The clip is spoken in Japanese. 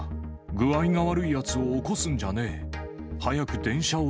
具合が悪いやつを起こすんじゃねぇ。